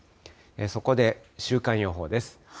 そこで週間予報です。